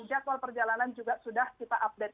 jadwal perjalanan juga sudah kita update